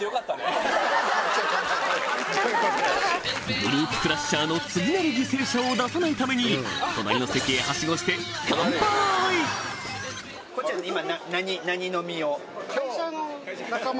グループクラッシャーの次なる犠牲者を出さないために隣の席へハシゴしてカンパイ会社の仲間。